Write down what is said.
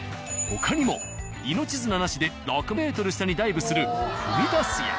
他にも命綱なしで６ｍ下にダイブするフミダスや。